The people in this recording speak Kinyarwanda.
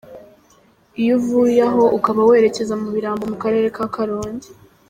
Iyo uvuye aho ukaba werekeza mu Birambo mu Karere ka karongi.